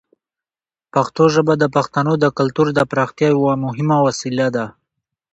پښتو ژبه د پښتنو د کلتور د پراختیا یوه مهمه وسیله ده.